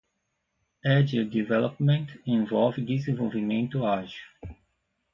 Agile Development envolve desenvolvimento ágil.